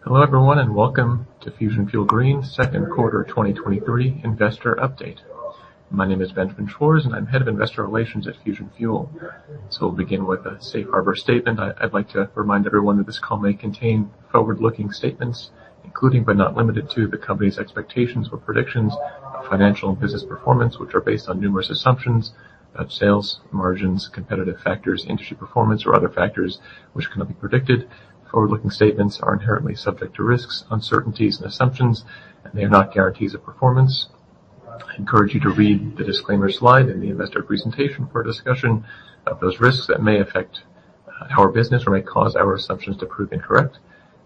Hello everyone, and welcome to Fusion Fuel Green second quarter 2023 investor update. My name is Benjamin Schwarz, and I'm Head of Investor Relations at Fusion Fuel. We'll begin with a safe harbor statement. I'd like to remind everyone that this call may contain forward-looking statements, including but not limited to, the company's expectations or predictions of financial and business performance, which are based on numerous assumptions about sales, margins, competitive factors, industry performance, or other factors which cannot be predicted. Forward-looking statements are inherently subject to risks, uncertainties, and assumptions, and they are not guarantees of performance. I encourage you to read the disclaimer slide in the investor presentation for a discussion of those risks that may affect our business or may cause our assumptions to prove incorrect.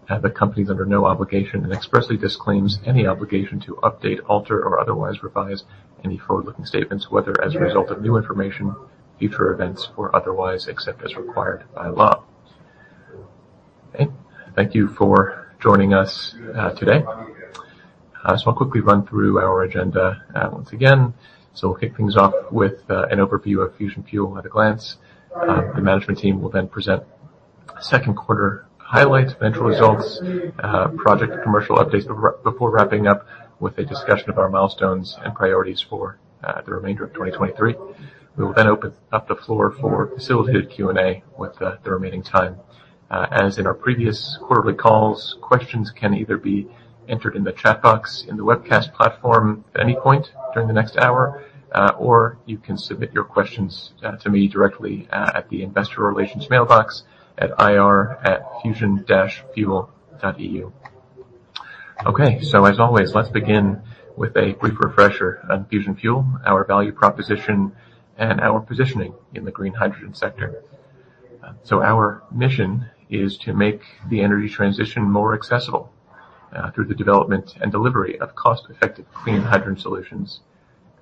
The company is under no obligation and expressly disclaims any obligation to update, alter, or otherwise revise any forward-looking statements, whether as a result of new information, future events, or otherwise, except as required by law. Okay. Thank you for joining us today. So I'll quickly run through our agenda once again. So we'll kick things off with an overview of Fusion Fuel at a glance. The management team will then present second quarter highlights, financial results, project commercial updates, before wrapping up with a discussion of our milestones and priorities for the remainder of 2023. We will then open up the floor for facilitated Q&A with the remaining time. As in our previous quarterly calls, questions can either be entered in the chat box in the webcast platform at any point during the next hour, or you can submit your questions to me directly at the investor relations mailbox at ir@fusion-fuel.eu. Okay, so as always, let's begin with a brief refresher on Fusion Fuel, our value proposition, and our positioning in the green hydrogen sector. So our mission is to make the energy transition more accessible, through the development and delivery of cost-effective clean hydrogen solutions.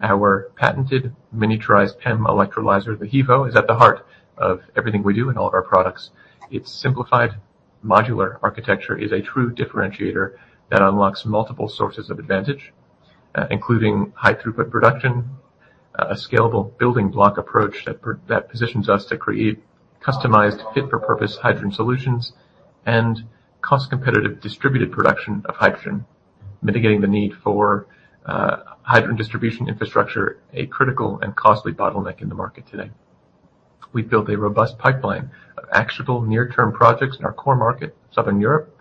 Our patented miniaturized PEM electrolyzer, the HEVO, is at the heart of everything we do in all of our products. Its simplified modular architecture is a true differentiator that unlocks multiple sources of advantage, including high throughput production, a scalable building block approach that positions us to create customized fit-for-purpose hydrogen solutions, and cost-competitive distributed production of hydrogen, mitigating the need for, hydrogen distribution infrastructure, a critical and costly bottleneck in the market today. We've built a robust pipeline of actionable near-term projects in our core market, Southern Europe,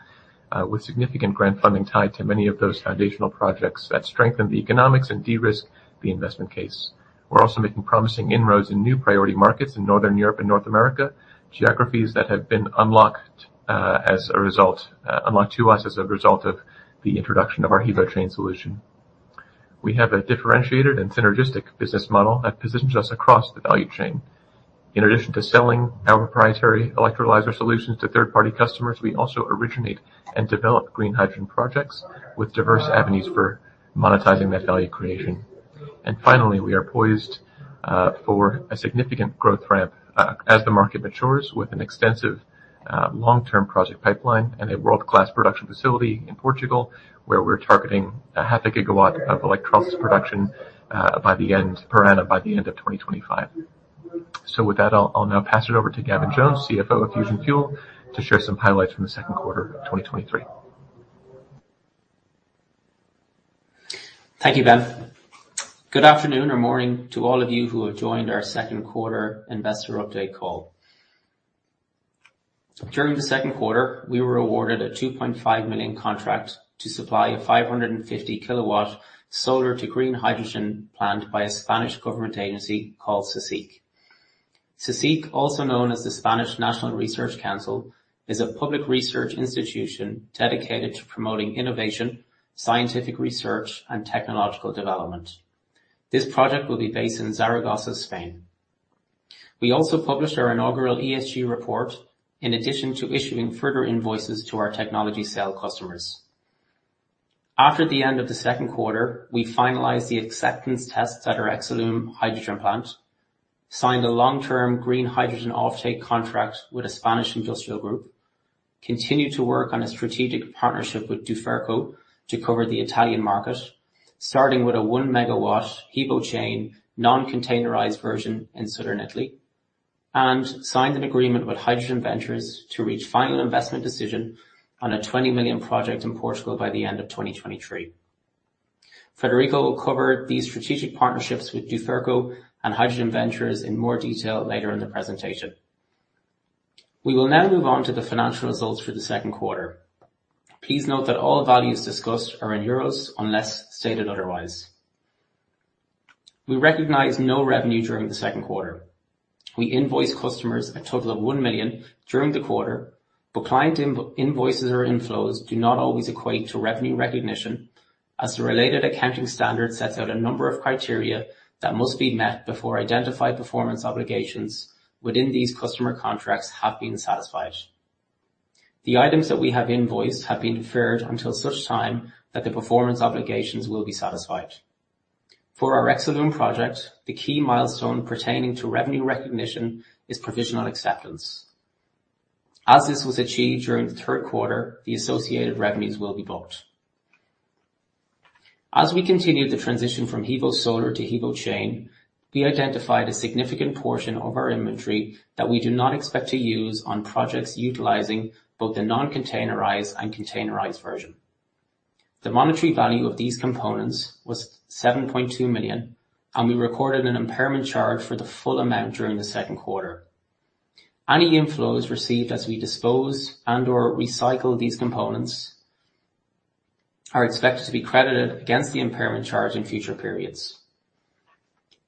with significant grant funding tied to many of those foundational projects that strengthen the economics and de-risk the investment case. We're also making promising inroads in new priority markets in Northern Europe and North America, geographies that have been unlocked, as a result... unlocked to us as a result of the introduction of our HEVO-Chain solution. We have a differentiated and synergistic business model that positions us across the value chain. In addition to selling our proprietary electrolyzer solutions to third-party customers, we also originate and develop green hydrogen projects with diverse avenues for monetizing that value creation. Finally, we are poised for a significant growth ramp as the market matures with an extensive long-term project pipeline and a world-class production facility in Portugal, where we're targeting 0.5 GW of electrolysis production by the end per annum by the end of 2025. So with that, I'll, I'll now pass it over to Gavin Jones, CFO of Fusion Fuel, to share some highlights from the second quarter of 2023. Thank you, Ben. Good afternoon or morning to all of you who have joined our second quarter investor update call. During the second quarter, we were awarded a 2.5 million contract to supply a 550 kW solar to green hydrogen plant by a Spanish government agency called CSIC. CSIC, also known as the Spanish National Research Council, is a public research institution dedicated to promoting innovation, scientific research, and technological development. This project will be based in Zaragoza, Spain. We also published our inaugural ESG report, in addition to issuing further invoices to our technology sale customers. After the end of the second quarter, we finalized the acceptance tests at our Exolum hydrogen plant, signed a long-term green hydrogen offtake contract with a Spanish industrial group, continued to work on a strategic partnership with Duferco to cover the Italian market, starting with a 1 MW HEVO-Chain, non-containerized version in Southern Italy, and signed an agreement with Hydrogen Ventures to reach final investment decision on a 20 million project in Portugal by the end of 2023. Frederico will cover these strategic partnerships with Duferco and Hydrogen Ventures in more detail later in the presentation. We will now move on to the financial results for the second quarter. Please note that all values discussed are in euros, unless stated otherwise. We recognized no revenue during the second quarter. We invoiced customers a total of 1 million during the quarter, but client invoices or inflows do not always equate to revenue recognition, as the related accounting standard sets out a number of criteria that must be met before identified performance obligations within these customer contracts have been satisfied. The items that we have invoiced have been deferred until such time that the performance obligations will be satisfied. For our Exolum project, the key milestone pertaining to revenue recognition is provisional acceptance. As this was achieved during the third quarter, the associated revenues will be booked. As we continue the transition from HEVO-Solar to HEVO-Chain, we identified a significant portion of our inventory that we do not expect to use on projects utilizing both the non-containerized and containerized version. The monetary value of these components was 7.2 million, and we recorded an impairment charge for the full amount during the second quarter. Any inflows received as we dispose and/or recycle these components are expected to be credited against the impairment charge in future periods.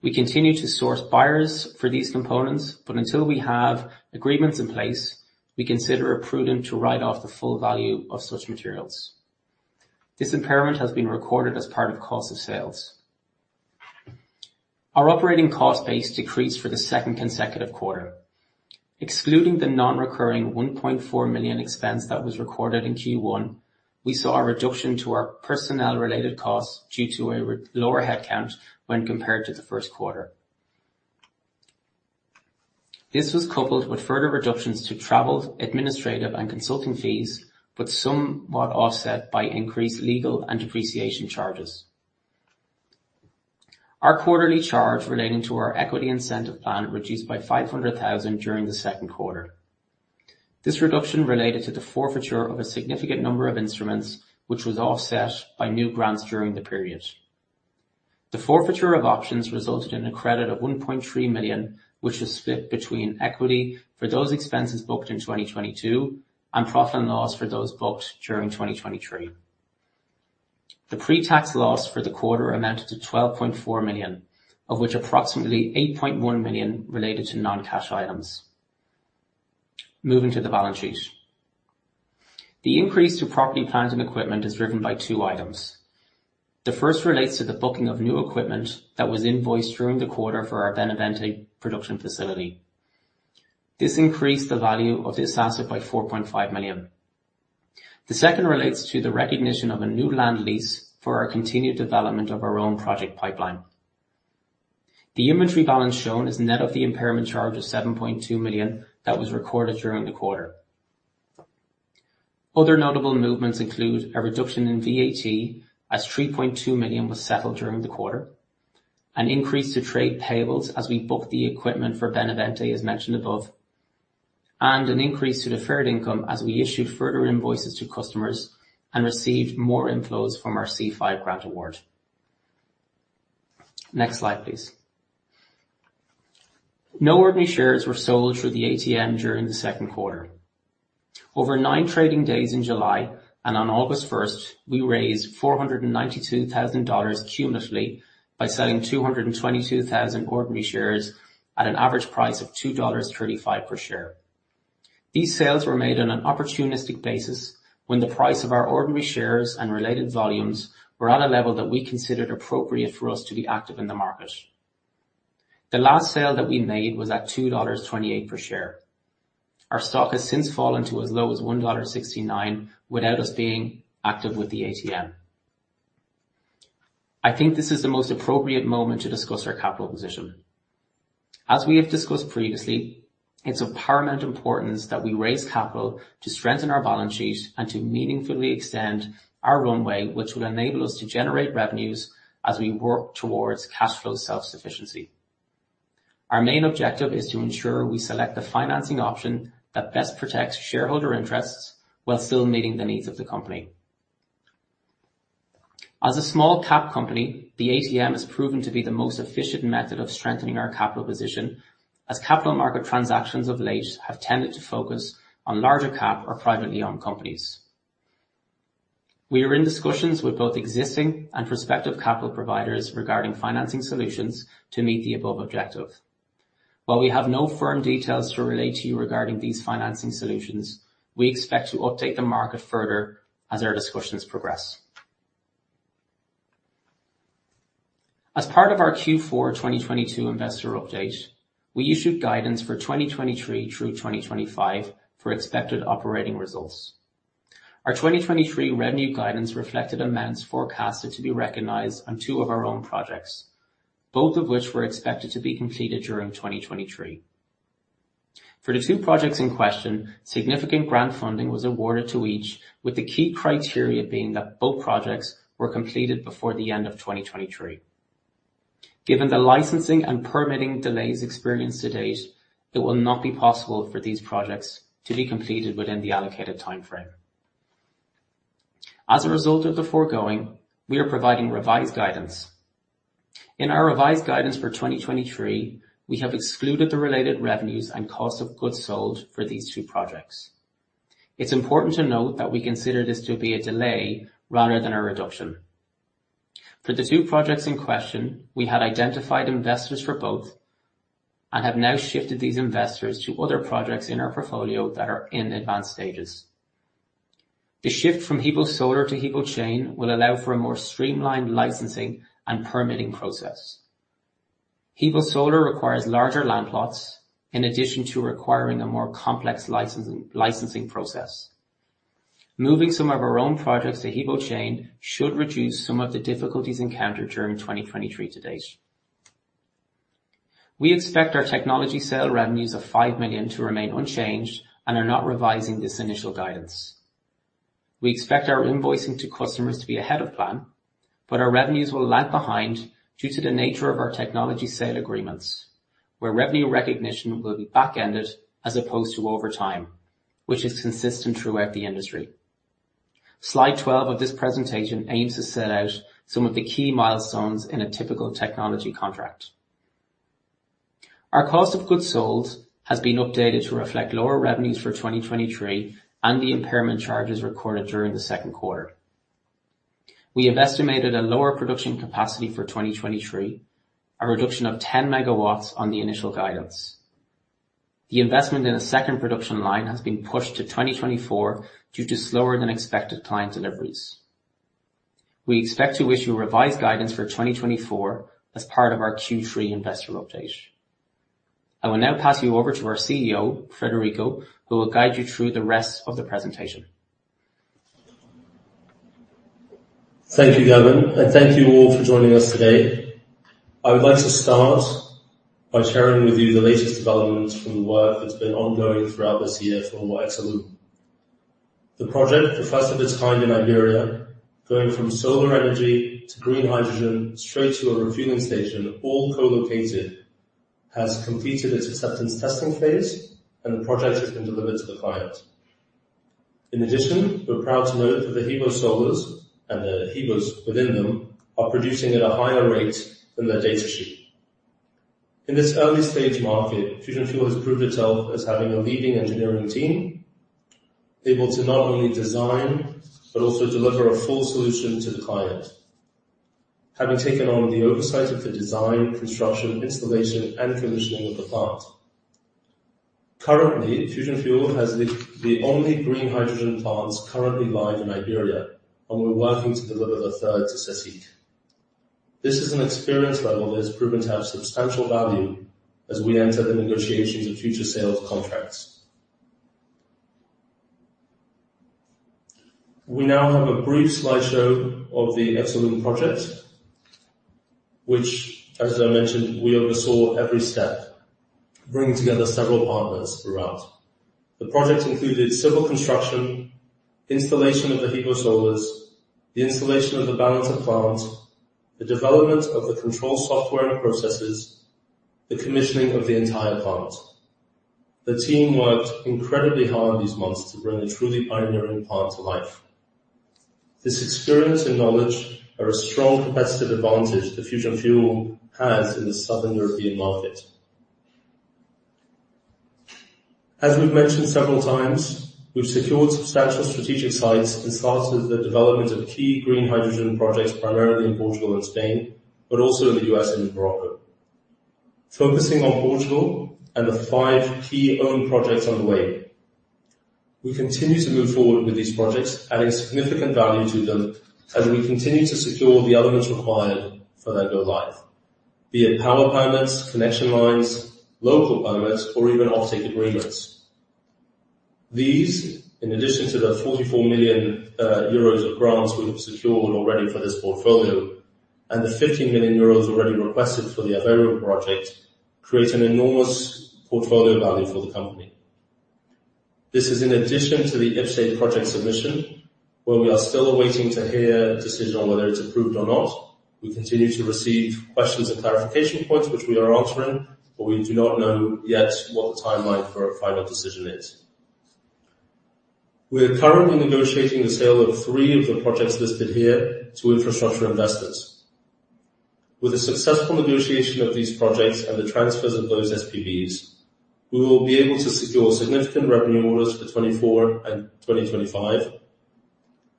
We continue to source buyers for these components, but until we have agreements in place, we consider it prudent to write off the full value of such materials. This impairment has been recorded as part of cost of sales. Our operating cost base decreased for the second consecutive quarter. Excluding the non-recurring 1.4 million expense that was recorded in Q1, we saw a reduction to our personnel-related costs due to a lower headcount when compared to the first quarter. This was coupled with further reductions to travel, administrative and consulting fees, but somewhat offset by increased legal and depreciation charges. Our quarterly charge relating to our equity incentive plan reduced by $500,000 during the second quarter. This reduction related to the forfeiture of a significant number of instruments, which was offset by new grants during the period. The forfeiture of options resulted in a credit of $1.3 million, which was split between equity for those expenses booked in 2022, and profit and loss for those booked during 2023. The pre-tax loss for the quarter amounted to $12.4 million, of which approximately $8.1 million related to non-cash items. Moving to the balance sheet. The increase to property, plant, and equipment is driven by two items. The first relates to the booking of new equipment that was invoiced during the quarter for our Benavente production facility. This increased the value of this asset by $4.5 million. The second relates to the recognition of a new land lease for our continued development of our own project pipeline. The inventory balance shown is net of the impairment charge of 7.2 million that was recorded during the quarter. Other notable movements include a reduction in VAT, as 3.2 million was settled during the quarter. An increase to trade payables as we booked the equipment for Benavente, as mentioned above, and an increase to deferred income as we issued further invoices to customers and received more inflows from our C5 grant award. Next slide, please. No ordinary shares were sold through the ATM during the second quarter. Over nine trading days in July, and on August 1st, we raised $492,000 cumulatively by selling 222,000 ordinary shares at an average price of $2.35 per share. These sales were made on an opportunistic basis when the price of our ordinary shares and related volumes were at a level that we considered appropriate for us to be active in the market. The last sale that we made was at $2.28 per share. Our stock has since fallen to as low as $1.69, without us being active with the ATM. I think this is the most appropriate moment to discuss our capital position. As we have discussed previously, it's of paramount importance that we raise capital to strengthen our balance sheet and to meaningfully extend our runway, which will enable us to generate revenues as we work towards cash flow self-sufficiency. Our main objective is to ensure we select the financing option that best protects shareholder interests while still meeting the needs of the company. As a small cap company, the ATM has proven to be the most efficient method of strengthening our capital position, as capital market transactions of late have tended to focus on larger cap or privately owned companies. We are in discussions with both existing and prospective capital providers regarding financing solutions to meet the above objective. While we have no firm details to relate to you regarding these financing solutions, we expect to update the market further as our discussions progress. As part of our Q4 2022 investor update, we issued guidance for 2023 through 2025 for expected operating results. Our 2023 revenue guidance reflected amounts forecasted to be recognized on two of our own projects, both of which were expected to be completed during 2023. For the two projects in question, significant grant funding was awarded to each, with the key criteria being that both projects were completed before the end of 2023. Given the licensing and permitting delays experienced to date, it will not be possible for these projects to be completed within the allocated timeframe. As a result of the foregoing, we are providing revised guidance. In our revised guidance for 2023, we have excluded the related revenues and cost of goods sold for these two projects. It's important to note that we consider this to be a delay rather than a reduction. For the two projects in question, we had identified investors for both, and have now shifted these investors to other projects in our portfolio that are in advanced stages. The shift from HEVO-Solar to HEVO-Chain will allow for a more streamlined licensing and permitting process. HEVO-Solar requires larger land plots in addition to requiring a more complex licensing process. Moving some of our own projects to HEVO-Chain should reduce some of the difficulties encountered during 2023 to date. We expect our technology sale revenues of 5 million to remain unchanged and are not revising this initial guidance. We expect our invoicing to customers to be ahead of plan, but our revenues will lag behind due to the nature of our technology sale agreements, where revenue recognition will be back-ended as opposed to over time, which is consistent throughout the industry. Slide 12 of this presentation aims to set out some of the key milestones in a typical technology contract. Our cost of goods sold has been updated to reflect lower revenues for 2023 and the impairment charges recorded during the second quarter. We have estimated a lower production capacity for 2023, a reduction of 10 MW on the initial guidance. The investment in a second production line has been pushed to 2024 due to slower than expected client deliveries. We expect to issue revised guidance for 2024 as part of our Q3 investor update. I will now pass you over to our CEO, Frederico, who will guide you through the rest of the presentation. Thank you, Gavin, and thank you all for joining us today. I would like to start by sharing with you the latest developments from the work that's been ongoing throughout this year for Exolum. The project, the first of its kind in Iberia, going from solar energy to green hydrogen straight to a refueling station, all co-located, has completed its acceptance testing phase, and the project has been delivered to the client. In addition, we're proud to note that the HEVO-Solars and the HEVOs within them are producing at a higher rate than their data sheet. In this early stage market, Fusion Fuel has proved itself as having a leading engineering team, able to not only design, but also deliver a full solution to the client. Having taken on the oversight of the design, construction, installation, and commissioning of the plant. Currently, Fusion Fuel has the only green hydrogen plants currently live in Iberia, and we're working to deliver the third to CSIC. This is an experience level that has proven to have substantial value as we enter the negotiations of future sales contracts. We now have a brief slideshow of the Exolum project, which, as I mentioned, we oversaw every step, bringing together several partners throughout. The project included civil construction, installation of the HEVO-Solar, the installation of the balance of plant, the development of the control software and processes, the commissioning of the entire plant. The team worked incredibly hard these months to bring a truly pioneering plant to life. This experience and knowledge are a strong competitive advantage that Fusion Fuel has in the Southern European market. As we've mentioned several times, we've secured substantial strategic sites and started the development of key green hydrogen projects, primarily in Portugal and Spain, but also in the U.S. and Morocco. Focusing on Portugal and the five key own projects on the way. We continue to move forward with these projects, adding significant value to them as we continue to secure the elements required for their go live, be it power permits, connection lines, local permits, or even offtake agreements. These, in addition to the 44 million euros of grants we have secured already for this portfolio and the 50 million euros already requested for the Aveiro project, create an enormous portfolio value for the company. This is in addition to the IPCEI project submission, where we are still waiting to hear a decision on whether it's approved or not. We continue to receive questions and clarification points, which we are answering, but we do not know yet what the timeline for a final decision is. We are currently negotiating the sale of three of the projects listed here to infrastructure investors. With the successful negotiation of these projects and the transfers of those SPVs, we will be able to secure significant revenue models for 2024 and 2025,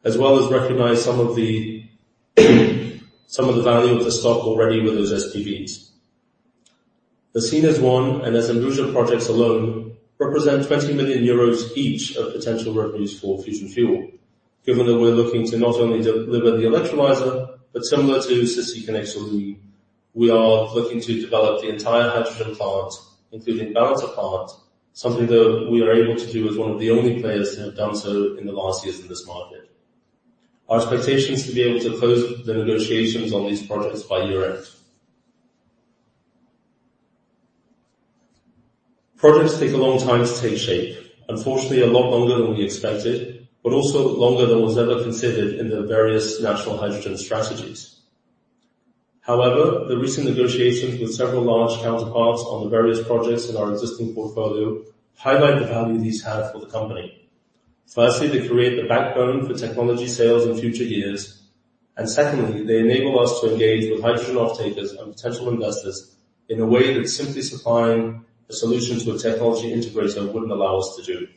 as well as recognize some of the, some of the value of the stock already with those SPVs. The Sines 1 and Sines projects alone represent 20 million euros each of potential revenues for Fusion Fuel. Given that we're looking to not only deliver the electrolyzer, but similar to CSIC connection, we are looking to develop the entire hydrogen plant, including balance of plant, something that we are able to do as one of the only players to have done so in the last years in this market. Our expectation is to be able to close the negotiations on these projects by year-end. Projects take a long time to take shape. Unfortunately, a lot longer than we expected, but also longer than was ever considered in the various national hydrogen strategies. However, the recent negotiations with several large counterparts on the various projects in our existing portfolio highlight the value these have for the company. Firstly, they create the backbone for technology sales in future years, and secondly, they enable us to engage with hydrogen offtakers and potential investors in a way that simply supplying a solution to a technology integrator wouldn't allow us to do.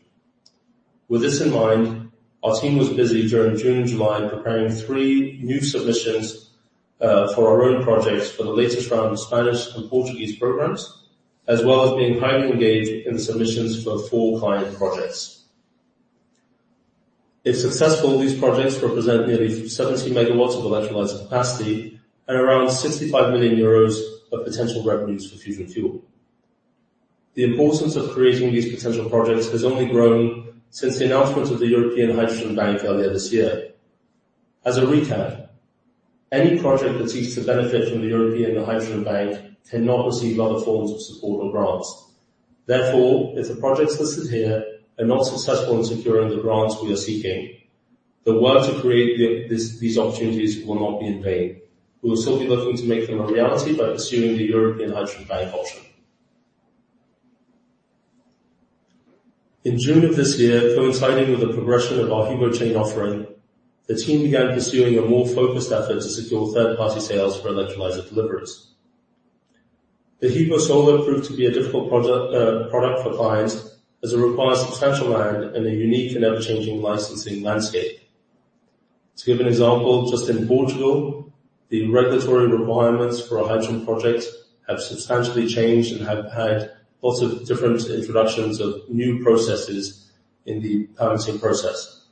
With this in mind, our team was busy during June and July, preparing three new submissions, for our own projects for the latest round of Spanish and Portuguese programs, as well as being highly engaged in the submissions for four client projects. If successful, these projects represent nearly 70 MW of electrolyzer capacity and around 65 million euros of potential revenues for Fusion Fuel. The importance of creating these potential projects has only grown since the announcement of the European Hydrogen Bank earlier this year. As a recap, any project that seeks to benefit from the European Hydrogen Bank cannot receive other forms of support or grants. Therefore, if the projects listed here are not successful in securing the grants we are seeking, the work to create these opportunities will not be in vain. We will still be looking to make them a reality by pursuing the European Hydrogen Bank option. In June of this year, coinciding with the progression of our HEVO-Chain offering, the team began pursuing a more focused effort to secure third-party sales for electrolyzer deliveries. The HEVO-Solar proved to be a difficult product for clients, as it requires substantial land and a unique and ever-changing licensing landscape. To give an example, just in Portugal, the regulatory requirements for a hydrogen project have substantially changed and have had lots of different introductions of new processes in the permitting process.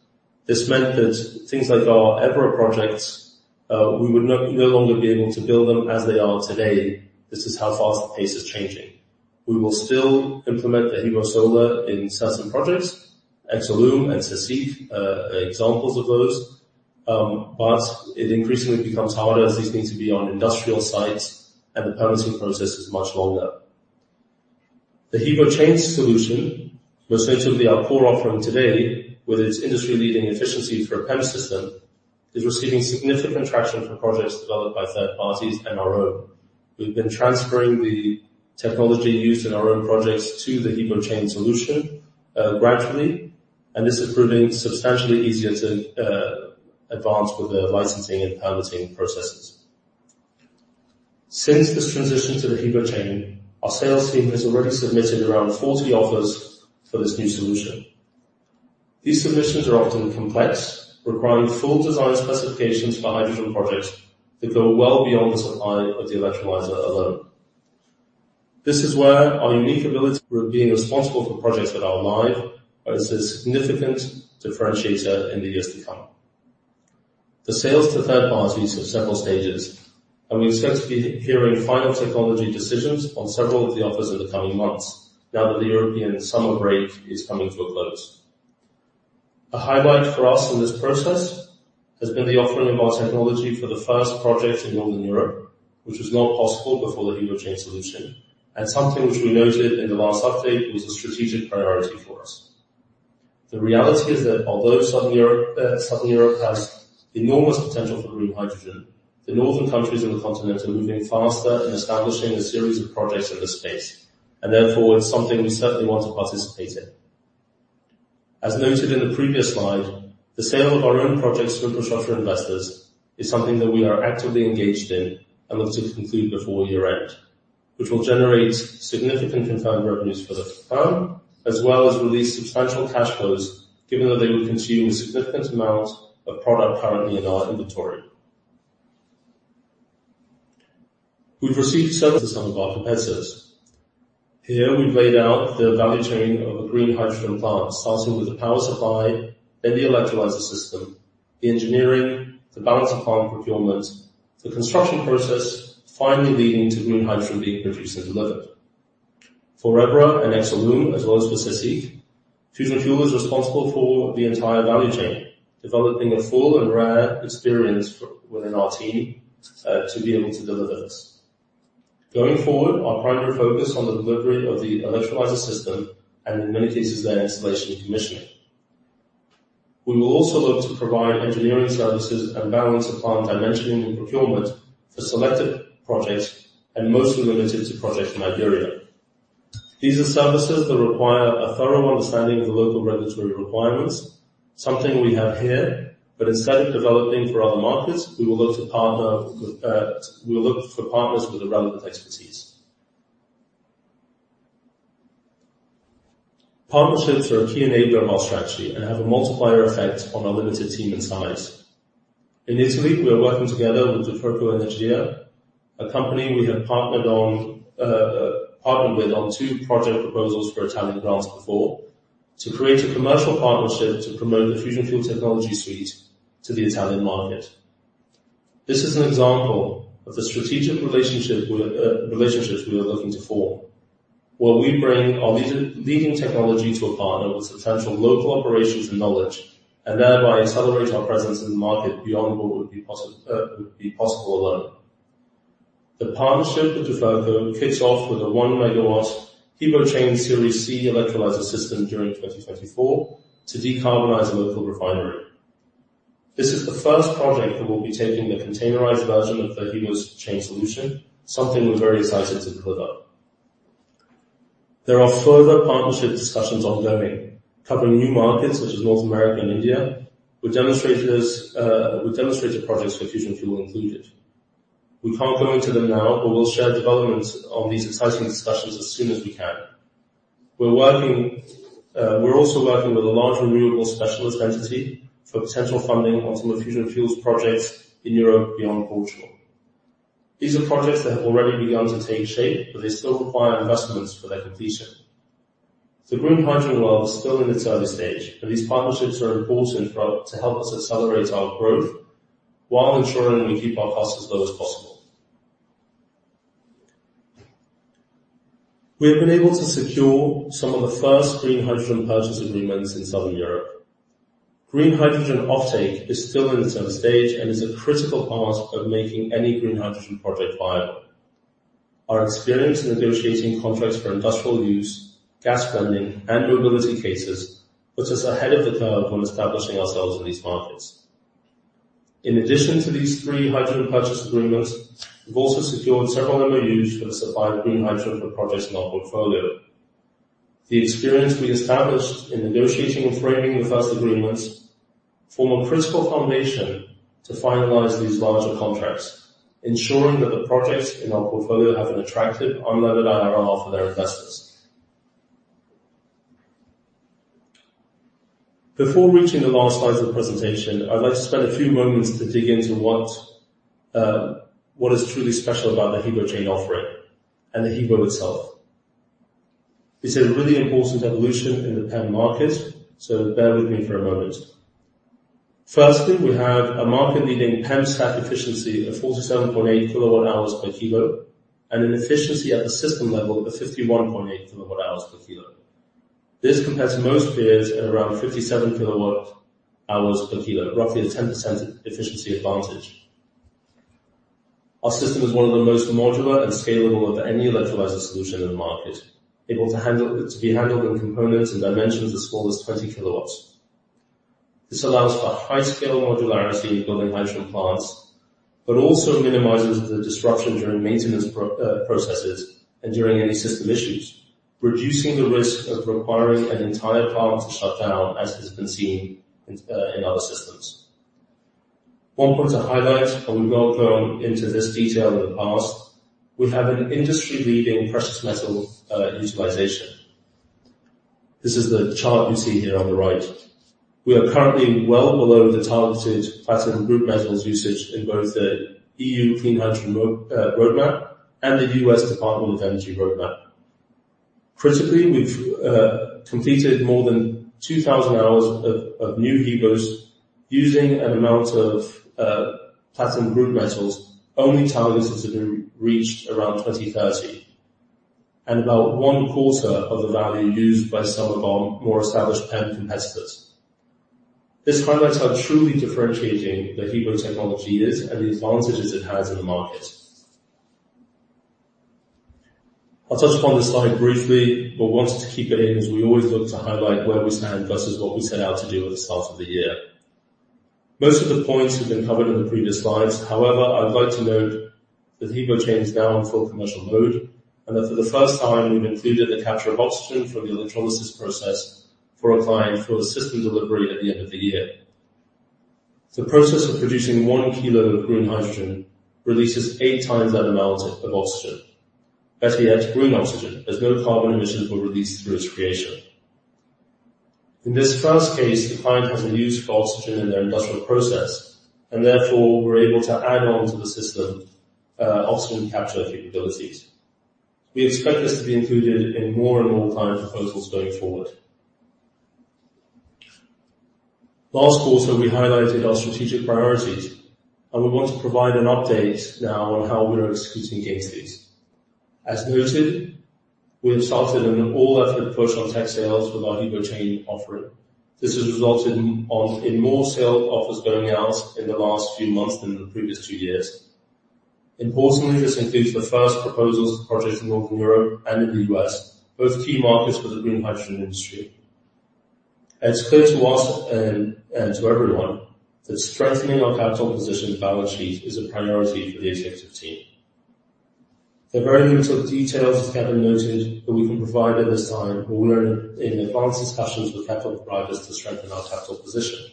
This meant that things like our Ebro projects, we would no longer be able to build them as they are today. This is how fast the pace is changing. We will still implement the HEVO-Solar in certain projects, Exolum and CSIC are examples of those, but it increasingly becomes harder as these need to be on industrial sites and the permitting process is much longer. The HEVO-Chain solution was certainly our core offering today, with its industry-leading efficiency for a PEM system, is receiving significant traction for projects developed by third parties and our own. We've been transferring the technology used in our own projects to the HEVO-Chain solution gradually, and this is proving substantially easier to advance with the licensing and permitting processes. Since this transition to the HEVO-Chain, our sales team has already submitted around 40 offers for this new solution. These submissions are often complex, requiring full design specifications for a hydrogen project that go well beyond the supply of the electrolyzer alone. This is where our unique ability of being responsible for projects that are live, is a significant differentiator in the years to come. The sales to third parties have several stages, and we expect to be hearing final technology decisions on several of the offers in the coming months now that the European summer break is coming to a close. A highlight for us in this process, has been the offering of our technology for the first project in Northern Europe, which was not possible before the HEVO-Chain solution, and something which we noted in the last update was a strategic priority for us. The reality is that although Southern Europe has enormous potential for green hydrogen, the northern countries in the continent are moving faster in establishing a series of projects in this space, and therefore it's something we certainly want to participate in. As noted in the previous slide, the sale of our own projects to infrastructure investors is something that we are actively engaged in and look to conclude before year-end, which will generate significant confirmed revenues for the firm, as well as release substantial cash flows, given that they will consume a significant amount of product currently in our inventory. We've received services on some of our competitors. Here, we've laid out the value chain of a green hydrogen plant, starting with the power supply, then the electrolyzer system, the engineering, the balance of plant procurement, the construction process, finally leading to green hydrogen being produced and delivered. For Ebro and Exolum, as well as for CSIC, Fusion Fuel is responsible for the entire value chain, developing a full and rare experience within our team to be able to deliver this. Going forward, our primary focus on the delivery of the electrolyzer system and in many cases, the installation and commissioning. We will also look to provide engineering services and balance of plant dimensioning and procurement for selected projects, and mostly related to projects in Iberia. These are services that require a thorough understanding of the local regulatory requirements, something we have here, but instead of developing for other markets, we will look to partner with, we will look for partners with the relevant expertise. Partnerships are a key enabler of our strategy and have a multiplier effect on our limited team and size. In Italy, we are working together with the Duferco Energia, a company we have partnered on, partnered with on two project proposals for Italian grants before, to create a commercial partnership to promote the Fusion Fuel technology suite to the Italian market. This is an example of the strategic relationships we are looking to form, where we bring our leading technology to a partner with substantial local operations and knowledge, and thereby accelerate our presence in the market beyond what would be possible alone. The partnership with Duferco kicks off with a 1 MW HEVO-Chain Series C electrolyzer system during 2024 to decarbonize a local refinery. This is the first project that will be taking the containerized version of the HEVO-Chain solution, something we're very excited to deliver. There are further partnership discussions ongoing, covering new markets such as North America and India, with demonstrator projects for Fusion Fuel included. We can't go into them now, but we'll share developments on these exciting discussions as soon as we can. We're working, we're also working with a large renewable specialist entity for potential funding on some of Fusion Fuel's projects in Europe beyond Portugal. These are projects that have already begun to take shape, but they still require investments for their completion. The green hydrogen world is still in its early stage, but these partnerships are important for us to help us accelerate our growth while ensuring we keep our costs as low as possible. We have been able to secure some of the first green hydrogen purchase agreements in Southern Europe. Green hydrogen offtake is still in its early stage and is a critical part of making any green hydrogen project viable. Our experience in negotiating contracts for industrial use, gas blending, and mobility cases puts us ahead of the curve when establishing ourselves in these markets. In addition to these three hydrogen purchase agreements, we've also secured several MOUs for the supply of green hydrogen for projects in our portfolio. The experience we established in negotiating and framing the first agreements form a critical foundation to finalize these larger contracts, ensuring that the projects in our portfolio have an attractive unlevered IRR for their investors. Before reaching the last slide of the presentation, I'd like to spend a few moments to dig into what, what is truly special about the HEVO-Chain offering and the HEVO itself. This is a really important evolution in the PEM market, so bear with me for a moment. Firstly, we have a market-leading PEM stack efficiency of 47.8 kWh/kg, and an efficiency at the system level of 51.8 kWh/kg. This compares to most peers at around 57 kWh/kg, roughly a 10% efficiency advantage. Our system is one of the most modular and scalable of any electrolyzer solution in the market, able to handle-- to be handled in components and dimensions as small as 20 kW. This allows for high scale modularity when building hydrogen plants, but also minimizes the disruption during maintenance processes and during any system issues, reducing the risk of requiring an entire plant to shut down, as has been seen in other systems. One point to highlight, and we've gone into this detail in the past, we have an industry-leading precious metal utilization. This is the chart you see here on the right. We are currently well below the targeted platinum group metals usage in both the EU Clean Hydrogen Roadmap and the US Department of Energy roadmap. Critically, we've completed more than 2,000 hours of new HEVOs, using an amount of platinum group metals only targeted to be reached around 2030, and about one quarter of the value used by some of our more established PEM competitors. This highlights how truly differentiating the HEVOs technology is and the advantages it has in the market. I'll touch upon this slide briefly, but wanted to keep it in as we always look to highlight where we stand versus what we set out to do at the start of the year. Most of the points have been covered in the previous slides. However, I'd like to note that HEVO-Chain is now on full commercial mode, and that for the first time, we've included the capture of oxygen from the electrolysis process for a client for a system delivery at the end of the year. The process of producing one kilo of green hydrogen releases eight times that amount of oxygen. Better yet, green oxygen, as no carbon emissions were released through its creation. In this first case, the client has a use for oxygen in their industrial process, and therefore were able to add on to the system, oxygen capture capabilities. We expect this to be included in more and more client proposals going forward. Last quarter, we highlighted our strategic priorities, and we want to provide an update now on how we are executing against these. As noted, we have started an all-effort push on tech sales with our HEVO-Chain offering. This has resulted in more sale offers going out in the last few months than in the previous two years. Importantly, this includes the first proposals for projects in Northern Europe and in the U.S., both key markets for the green hydrogen industry. It's clear to us and to everyone that strengthening our capital position balance sheet is a priority for the HTOO team. There are very little details, as Gavin noted, that we can provide at this time. We are in advanced discussions with capital providers to strengthen our capital position.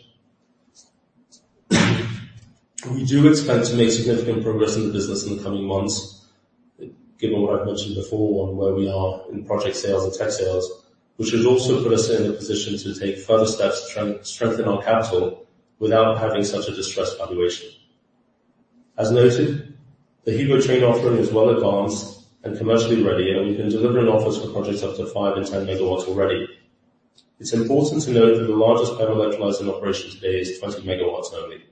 We do expect to make significant progress in the business in the coming months, given what I've mentioned before on where we are in project sales and tech sales, which has also put us in a position to take further steps to strengthen our capital without having such a distressed valuation. As noted, the HEVO-Chain offering is well advanced and commercially ready, and we can deliver offers for projects up to five and 10 MW already. It's important to note that the largest ever electrolyzer in operation today is 20 MW only.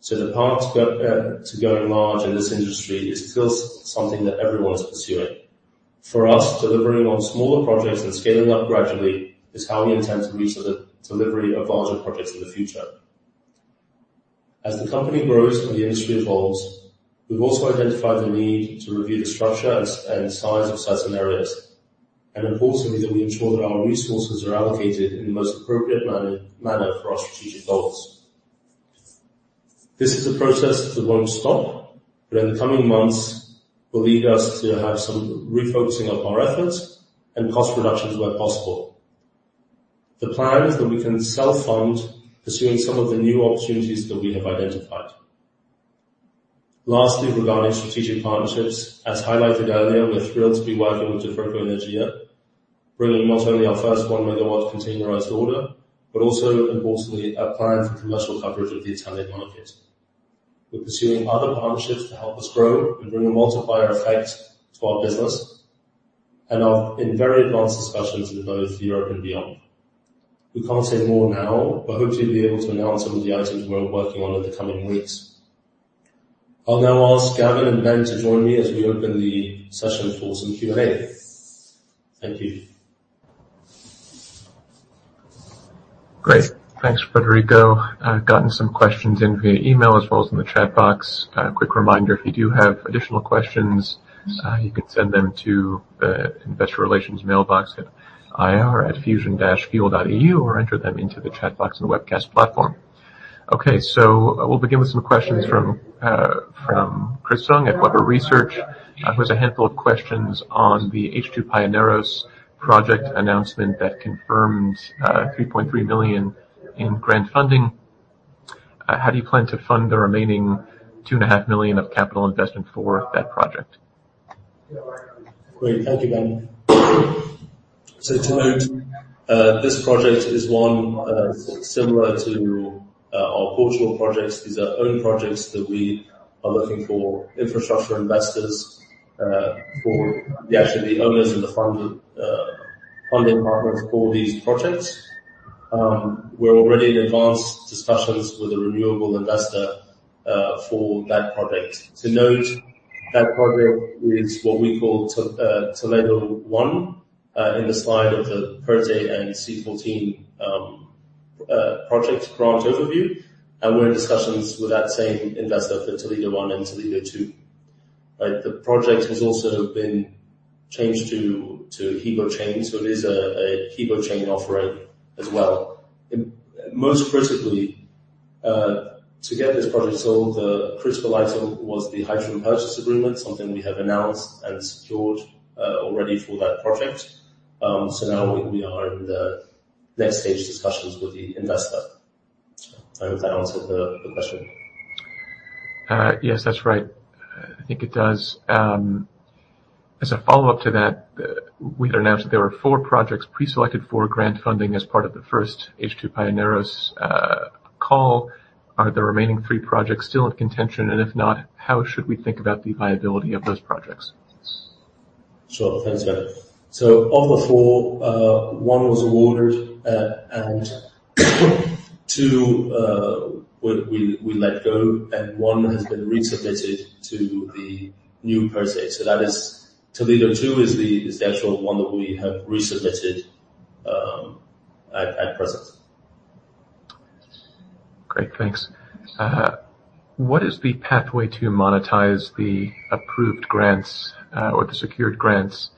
So the path to go to going large in this industry is still something that everyone is pursuing. For us, delivering on smaller projects and scaling up gradually is how we intend to reach the delivery of larger projects in the future. As the company grows and the industry evolves, we've also identified the need to review the structure and size of certain areas, and importantly, that we ensure that our resources are allocated in the most appropriate manner for our strategic goals. This is a process that won't stop, but in the coming months will lead us to have some refocusing of our efforts and cost reductions where possible. The plan is that we can self-fund pursuing some of the new opportunities that we have identified. Lastly, regarding strategic partnerships, as highlighted earlier, we're thrilled to be working with Duferco Energia, bringing not only our first 1-MW containerized order, but also importantly, a plan for commercial coverage of the Italian market. We're pursuing other partnerships to help us grow and bring a multiplier effect to our business, and are in very advanced discussions in both Europe and beyond. We can't say more now, but hope to be able to announce some of the items we're working on in the coming weeks. I'll now ask Gavin and Ben to join me as we open the session for some Q&A. Thank you. Great. Thanks, Frederico. I've gotten some questions in via email as well as in the chat box. A quick reminder, if you do have additional questions, you can send them to the investor relations mailbox at ir@fusion-fuel.eu or enter them into the chat box on the webcast platform. Okay, so we'll begin with some questions from from Chris Tsung at Webber Research. There's a handful of questions on the H2 Pioneros project announcement that confirms 3.3 million in grant funding. How do you plan to fund the remaining 2.5 million of capital investment for that project? Great, thank you, Gavin. So to note, this project is one, similar to, our Portugal projects. These are own projects that we are looking for infrastructure investors, for we are actually the owners and the funder, funding partner for these projects. We're already in advanced discussions with a renewable investor, for that project. To note, that project is what we call To, Toledo 1, in the slide of the PERTE and C14, project grant overview, and we're in discussions with that same investor for Toledo 1 and Toledo 2. But the project has also been changed to, to HEVO-Chain. So it is a, a HEVO-Chain offering as well. Most critically, to get this project sold, the critical item was the hydrogen purchase agreement, something we have announced and secured, already for that project. So now we are in the next stage discussions with the investor. I hope that answers the question. Yes, that's right. I think it does. As a follow-up to that, we had announced that there were four projects preselected for grant funding as part of the first H2 Pioneros call. Are the remaining three projects still in contention? And if not, how should we think about the viability of those projects? Sure. Thanks, Gavin. So of the four, one was awarded and two, we let go, and one has been resubmitted to the new project. So that is Toledo 2, the actual one that we have resubmitted, at present. Great, thanks. What is the pathway to monetize the approved grants, or the secured grants,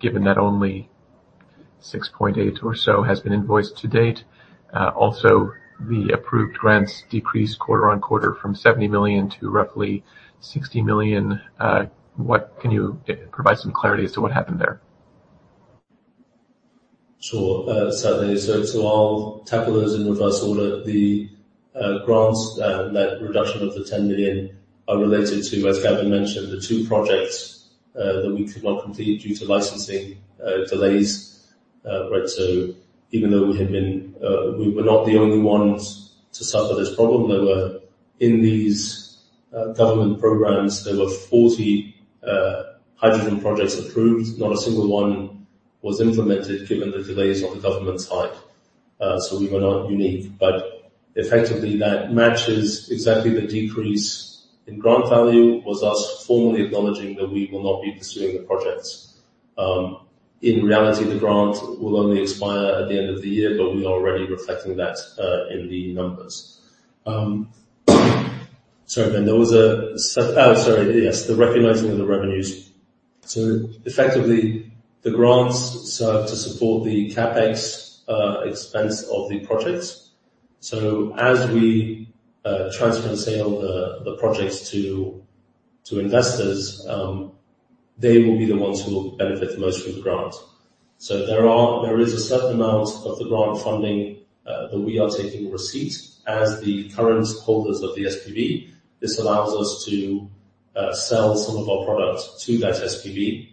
given that only 6.8 million or so has been invoiced to date? Also, the approved grants decreased quarter-over-quarter from 70 million to roughly 60 million. Can you provide some clarity as to what happened there? Sure, certainly. So, I'll tackle those in reverse order. The grants net reduction of the 10 million are related to, as Gavin mentioned, the two projects that we could not complete due to licensing delays. So even though we had been-- we were not the only ones to suffer this problem. There were in these government programs, there were 40 hydrogen projects approved. Not a single one was implemented, given the delays on the government's side. So we were not unique, but effectively, that matches exactly the decrease in grant value, was us formally acknowledging that we will not be pursuing the projects. In reality, the grant will only expire at the end of the year, but we are already reflecting that in the numbers. Sorry, Ben, that was a set... Sorry. Yes, the recognizing of the revenues. So effectively, the grants serve to support the CapEx expense of the projects. So as we transfer and sell the projects to investors, they will be the ones who will benefit the most from the grant. So there is a certain amount of the grant funding that we are taking receipt as the current holders of the SPV. This allows us to sell some of our products to that SPV.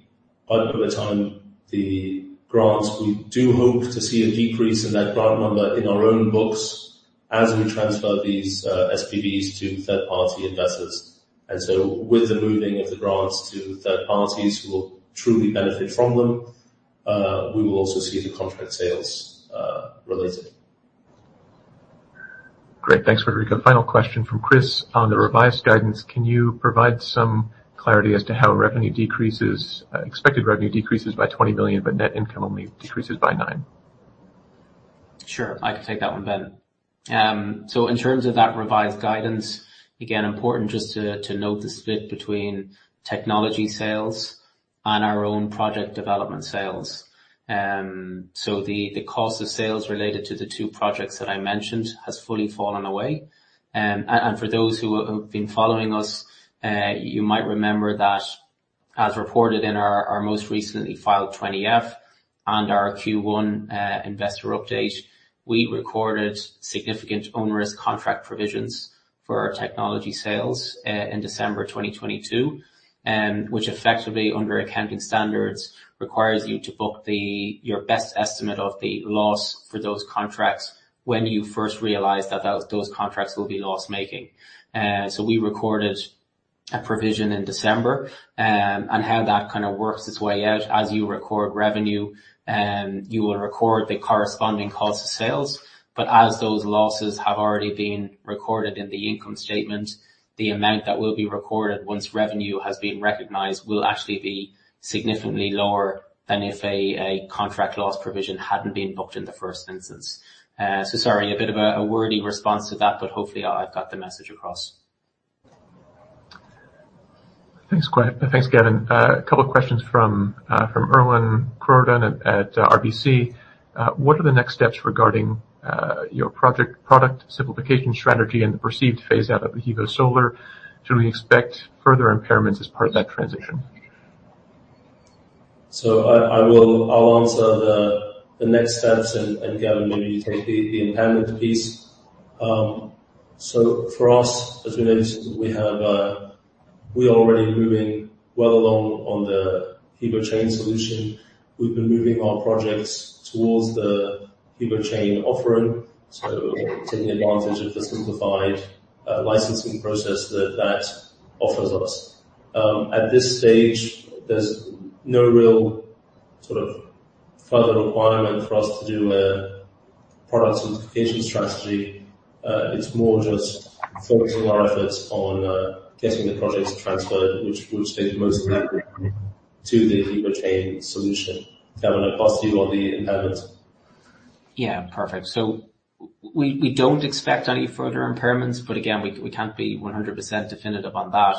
By the time the grants, we do hope to see a decrease in that grant number in our own books as we transfer these SPVs to third-party investors. And so with the moving of the grants to third parties who will truly benefit from them, we will also see the contract sales related. Great. Thanks, Frederico. Final question from Chris. On the revised guidance, can you provide some clarity as to how expected revenue decreases by 20 million, but net income only decreases by 9 million? Sure. I can take that one, Ben. So in terms of that revised guidance, again, important just to note the split between technology sales and our own project development sales. So the cost of sales related to the two projects that I mentioned has fully fallen away. And for those who have been following us, you might remember that as reported in our most recently filed 20-F and our Q1 investor update, we recorded significant onerous contract provisions for our technology sales in December 2022. Which effectively, under accounting standards, requires you to book your best estimate of the loss for those contracts when you first realize that those contracts will be loss-making. So we recorded a provision in December, and how that kind of works its way out. As you record revenue, you will record the corresponding cost of sales, but as those losses have already been recorded in the income statement, the amount that will be recorded once revenue has been recognized will actually be significantly lower than if a contract loss provision hadn't been booked in the first instance. So sorry, a bit of a wordy response to that, but hopefully I've got the message across. Thanks, Gavin. A couple of questions from Erwan Kerouredan at RBC. What are the next steps regarding your product simplification strategy and the perceived phase out of the HEVO-Solar? Should we expect further impairments as part of that transition? So I'll answer the next steps, and Gavin, maybe you take the impairment piece. So for us, as we mentioned, we are already moving well along on the HEVO-Chain solution. We've been moving our projects towards the HEVO-Chain offering, so taking advantage of the simplified licensing process that offers us. At this stage, there's no real sort of further requirement for us to do a product simplification strategy. It's more just focusing our efforts on getting the projects transferred, which take most of that to the HEVO-Chain solution. Gavin, over to you on the impairment. Yeah, perfect. So we don't expect any further impairments, but again, we can't be 100% definitive on that.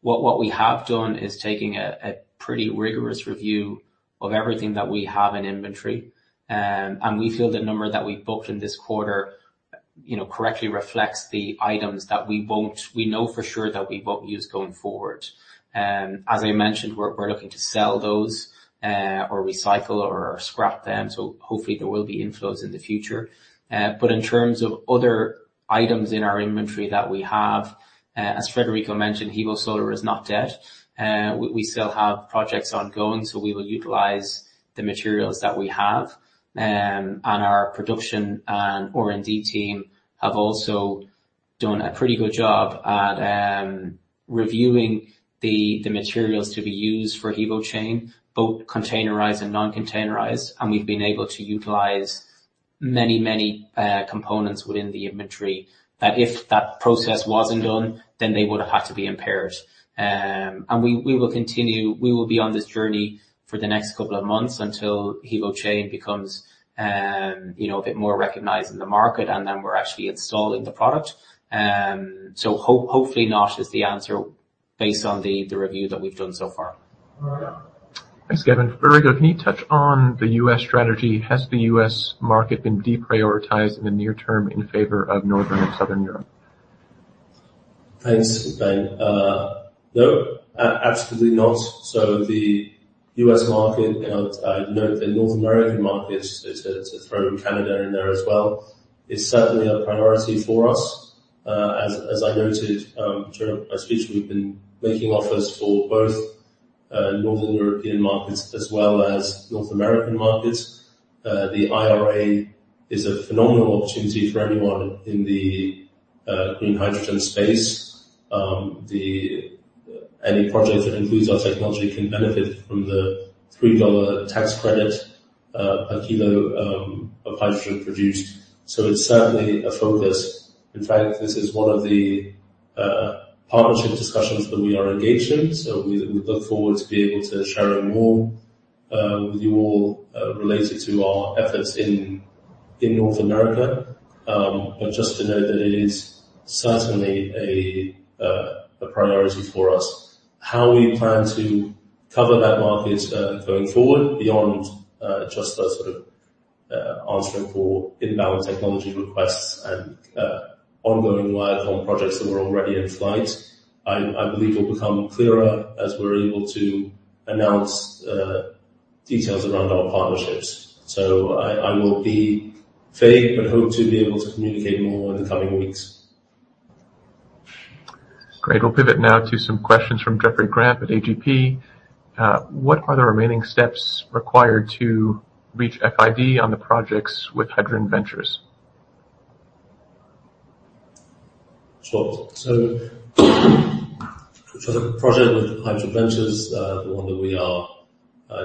What we have done is taking a pretty rigorous review of everything that we have in inventory. And we feel the number that we booked in this quarter, you know, correctly reflects the items that we won't use going forward. We know for sure that we won't use going forward. As I mentioned, we're looking to sell those or recycle or scrap them, so hopefully there will be inflows in the future. But in terms of other items in our inventory that we have, as Frederico mentioned, HEVO-Solar is not dead. We still have projects ongoing, so we will utilize the materials that we have. And our production and R&D team have also done a pretty good job at reviewing the materials to be used for HEVO-Chain, both containerized and non-containerized. We've been able to utilize many, many components within the inventory that if that process wasn't done, then they would have had to be impaired. We will continue. We will be on this journey for the next couple of months until HEVO-Chain becomes, you know, a bit more recognized in the market, and then we're actually installing the product. So hopefully not, is the answer, based on the review that we've done so far. Thanks, Gavin. Frederico, can you touch on the U.S. strategy? Has the U.S. market been deprioritized in the near term in favor of Northern and Southern Europe? Thanks, Ben. No, absolutely not. So the US market, and I'll note the North American market, to throw Canada in there as well, is certainly a priority for us. As I noted during my speech, we've been making offers for both Northern European markets as well as North American markets. The IRA is a phenomenal opportunity for anyone in the green hydrogen space. Any project that includes our technology can benefit from the $3 tax credit per kilo of hydrogen produced. So it's certainly a focus. In fact, this is one of the partnership discussions that we are engaged in, so we look forward to be able to share more with you all related to our efforts in North America. But just to note that it is certainly a priority for us. How we plan to cover that market, going forward beyond just the sort of answering for inbound technology requests and ongoing work on projects that were already in flight. I, I believe it'll become clearer as we're able to announce details around our partnerships. So I, I will be vague, but hope to be able to communicate more in the coming weeks. Great. We'll pivot now to some questions from Jeffrey Grampp at AGP. What are the remaining steps required to reach FID on the projects with Hydrogen Ventures? Sure. So for the project with Hydrogen Ventures, the one that we are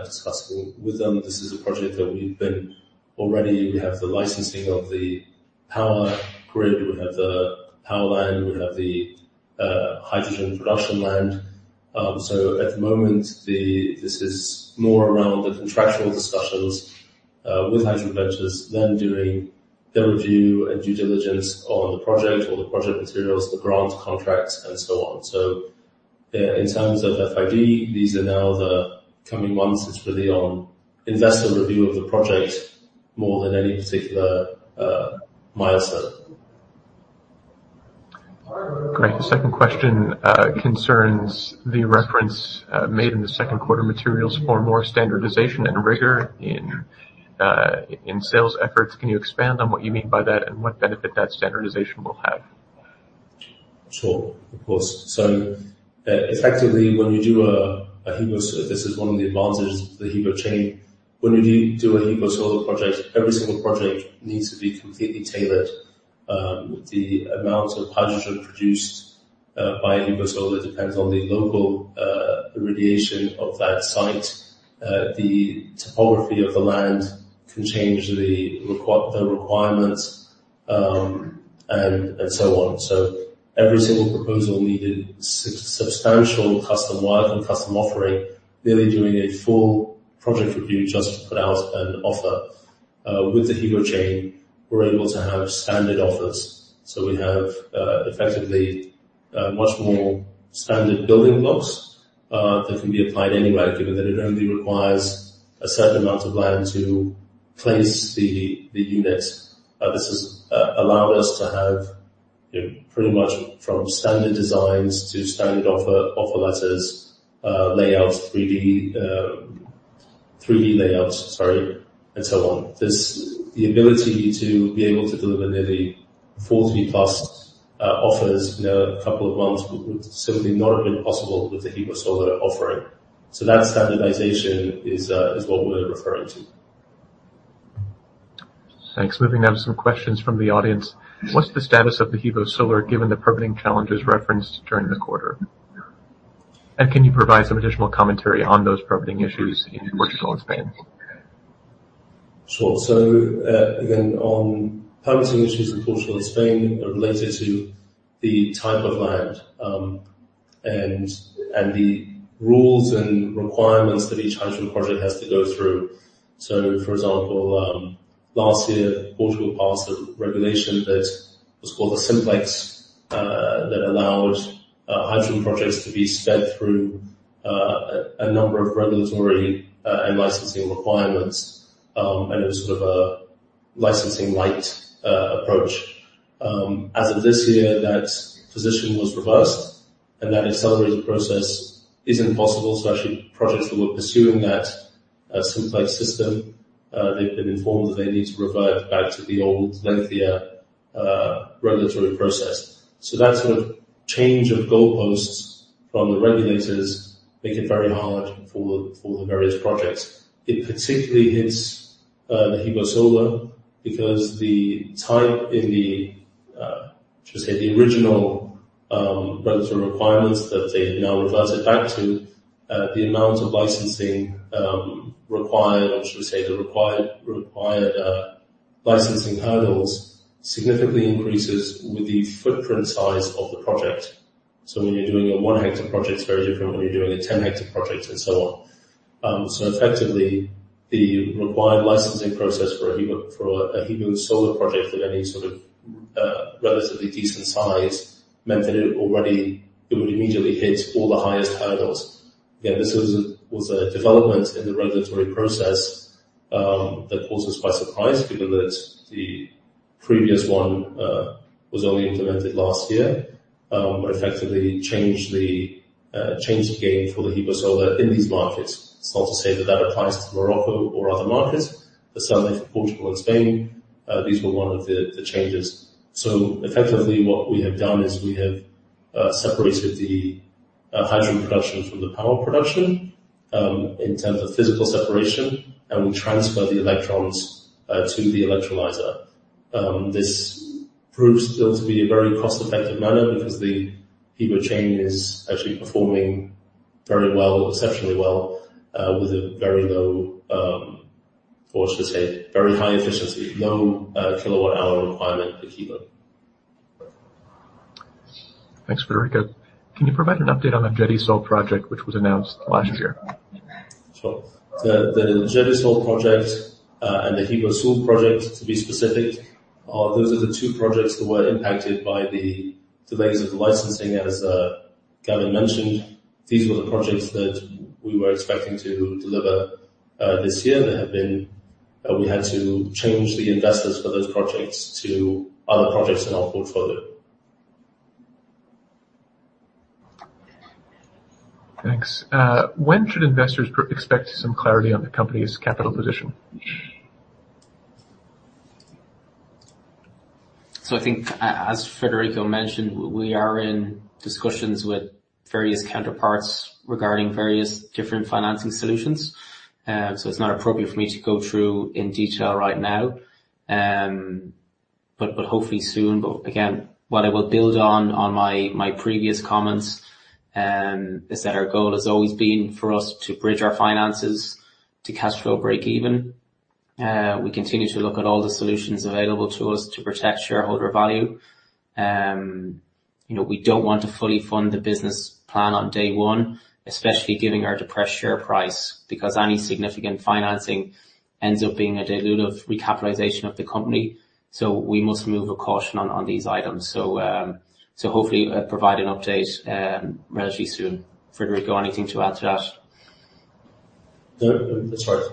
discussing with them, this is a project that we've been already, we have the licensing of the power grid, we have the power line, we have the hydrogen production land. So at the moment, the-- this is more around the contractual discussions, with Hydrogen Ventures, then doing their review and due diligence on the project or the project materials, the grants, contracts, and so on. So, in terms of FID, these are now the coming months. It's really on investor review of the project more than any particular, milestone. Great. The second question concerns the reference made in the second quarter materials for more standardization and rigor in sales efforts. Can you expand on what you mean by that and what benefit that standardization will have? Sure, of course. So, effectively, when you do a HEVO service, this is one of the advantages of the HEVO-Chain. When you do a HEVO-Solar project, every single project needs to be completely tailored. The amount of hydrogen produced by HEVO-Solar depends on the local irradiation of that site. The topography of the land can change the requirements, and so on. So every single proposal needed substantial custom work and custom offering, nearly doing a full project review just to put out an offer. With the HEVO-Chain, we're able to have standard offers. So we have, effectively, a much more standard building blocks that can be applied anywhere, given that it only requires a certain amount of land to place the unit. This has allowed us to have, you know, pretty much from standard designs to standard offer letters, layout, 3D layouts, sorry, and so on. This. The ability to be able to deliver nearly 40+ offers, you know, in a couple of months, would simply not have been possible with the HEVO-Solar offering. So that standardization is what we're referring to. Thanks. Moving now to some questions from the audience. What's the status of the HEVO-Solar, given the permitting challenges referenced during the quarter? And can you provide some additional commentary on those permitting issues in Portugal and Spain? Sure. So, again, on permitting issues in Portugal and Spain are related to the type of land, and the rules and requirements that each hydrogen project has to go through. So for example, last year, Portugal passed a regulation that was called the Simplex that allowed hydrogen projects to be sped through a number of regulatory and licensing requirements, and it was sort of a licensing-lite approach. As of this year, that position was reversed, and that accelerated process is impossible. So actually, projects that were pursuing that Simplex system, they've been informed that they need to revert back to the old lengthier regulatory process. So that sort of change of goalposts from the regulators make it very hard for the various projects. It particularly hits the HEVO-Solar because the type in the, should I say, the original regulatory requirements that they have now reverted back to, the amount of licensing required, or should I say, the required licensing hurdles significantly increases with the footprint size of the project. So when you're doing a one-hectare project, it's very different when you're doing a 10-hectare project, and so on. So effectively, the required licensing process for a HEVO-Solar project of any sort of relatively decent size meant that it already... it would immediately hit all the highest hurdles. Again, this was a development in the regulatory process that caught us by surprise because the previous one was only implemented last year. But effectively changed the, changed the game for the HEVO-Solar in these markets. It's not to say that that applies to Morocco or other markets. For some, like Portugal and Spain, these were one of the, the changes. So effectively, what we have done is we have separated the, hydrogen production from the power production, in terms of physical separation, and we transfer the electrons to the electrolyzer. This proves still to be a very cost-effective manner because the HEVO-Chain is actually performing very well, exceptionally well, with a very low, or should I say, very high efficiency, low kilowatt hour requirement for HEVO. Thanks, Frederico. Can you provide an update on the Gedisol project, which was announced last year? Sure. The Gedisol project and the HEVO-Solar project, to be specific, those are the two projects that were impacted by the delays of the licensing, as Gavin mentioned. These were the projects that we were expecting to deliver this year. There have been, we had to change the investors for those projects to other projects in our portfolio. Thanks. When should investors expect some clarity on the company's capital position? So I think as Frederico mentioned, we are in discussions with various counterparts regarding various different financing solutions. So it's not appropriate for me to go through in detail right now, but hopefully soon. But again, what I will build on my previous comments is that our goal has always been for us to bridge our finances to cash flow break even. We continue to look at all the solutions available to us to protect shareholder value. You know, we don't want to fully fund the business plan on day one, especially given our depressed share price, because any significant financing ends up being a dilutive recapitalization of the company. So we must move with caution on these items. So hopefully provide an update relatively soon. Frederico, anything to add to that? No, that's right.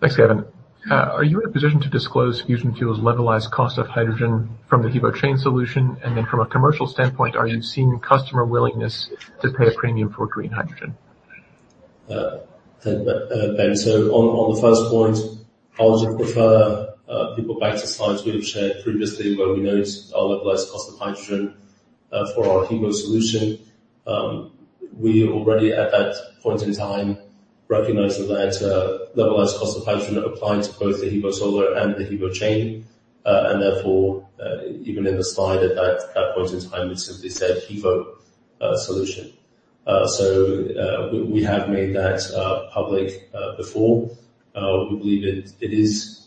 Thanks, Gavin. Are you in a position to disclose Fusion Fuel's levelized cost of hydrogen from the HEVO-Chain solution? And then from a commercial standpoint, are you seeing customer willingness to pay a premium for green hydrogen? Ben, so on the first point, I'll just refer people back to slides we've shared previously, where we noticed our levelized cost of hydrogen for our HEVO solution. We already at that point in time recognized that levelized cost of hydrogen applied to both the HEVO-Solar and the HEVO-Chain. Therefore, even in the slide at that point in time, we simply said HEVO solution. So we have made that public before. We believe it is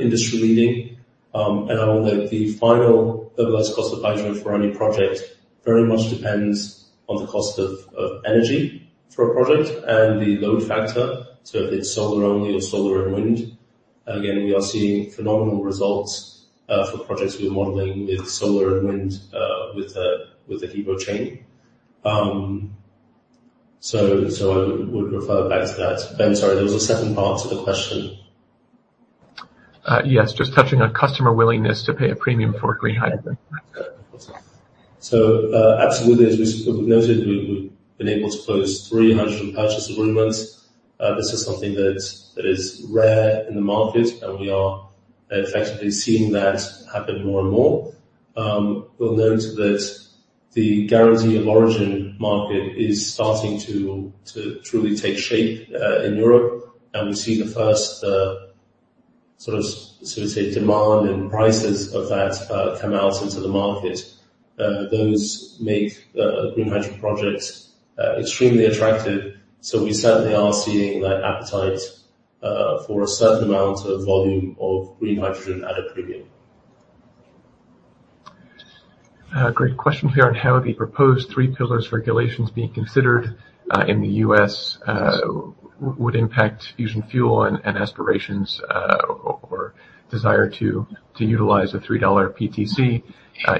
industry-leading, and I will note the final levelized cost of hydrogen for any project very much depends on the cost of energy for a project and the load factor, so if it's solar only or solar and wind. Again, we are seeing phenomenal results for projects we're modeling with solar and wind, with the HEVO-Chain. So I would refer back to that. Ben, sorry, there was a second part to the question. Yes, just touching on customer willingness to pay a premium for green hydrogen. So, absolutely. As we've noted, we've been able to close 300 purchase agreements. This is something that is rare in the market, and we are effectively seeing that happen more and more. We'll note that the Guarantee of Origin market is starting to truly take shape in Europe, and we've seen the first sort of, so to say, demand and prices of that come out into the market. Those make green hydrogen projects extremely attractive. So we certainly are seeing that appetite for a certain amount of volume of green hydrogen at a premium. Great. Question here on how the proposed Three Pillars Regulations being considered in the U.S. would impact Fusion Fuel and aspirations or desire to utilize a $3 PTC,